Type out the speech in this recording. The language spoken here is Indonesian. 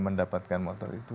mendapatkan motor itu